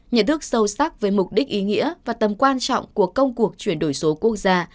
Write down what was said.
nhận thức sâu sắc với mục đích ý nghĩa và tầm quan trọng của công cuộc chuyển đổi số quốc gia